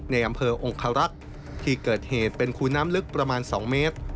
ในอำเภอองคารักษ์ที่เกิดเหตุเป็นคูน้ำลึกประมาณ๒เมตร